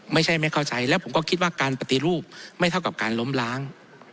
ไม่ใช่ไม่เข้าใจแล้วผมก็คิดว่าการปฏิรูปไม่เท่ากับการล้มล้าง